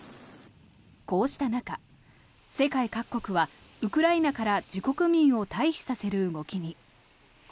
こうした中世界各国はウクライナから自国民を退避させる動きに。